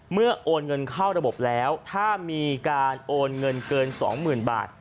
โอนเงินเข้าระบบแล้วถ้ามีการโอนเงินเกิน๒๐๐๐บาท